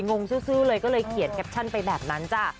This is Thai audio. งงซื้อเลยก็เลยเขียนแคปชั่นไปแบบนั้นจ้ะ